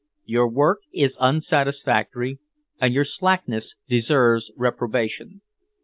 Your work is unsatisfactory and your slackness deserves reprobation.